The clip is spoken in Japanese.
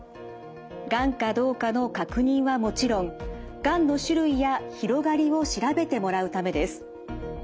がんかどうかの確認はもちろんがんの種類や広がりを調べてもらうためです。